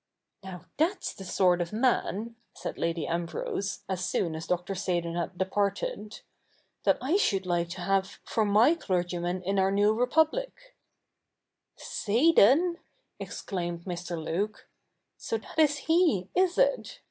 'Now, that's the sort of man,' said Lady Ambrose, as soon as Dr. Seydon had departed, ' that I should like to have for my clergyman in our new Republic' ' Seydon !' exclaimed Mr. Luke, ' so that is he, is it